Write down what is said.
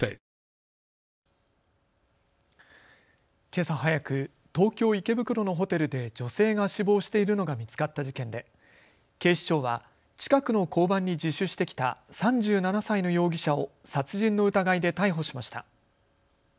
けさ早く、東京池袋のホテルで女性が死亡しているのが見つかった事件で警視庁は近くの交番に自首してきた３７歳の容疑者を殺人の疑いで逮捕しました。